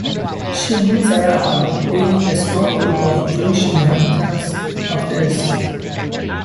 She meets a rabbi, leading a small group of Jewish inhabitants of the city.